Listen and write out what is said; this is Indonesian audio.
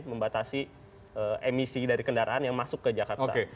membatasi emisi dari kendaraan yang masuk ke jakarta